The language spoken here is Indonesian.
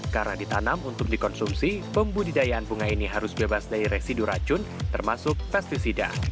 karena ditanam untuk dikonsumsi pembudidayaan bunga ini harus bebas dari residu racun termasuk pesticida